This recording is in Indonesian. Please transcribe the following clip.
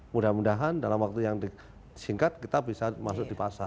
mudah mudahan dalam waktu yang singkat kita bisa masuk di pasar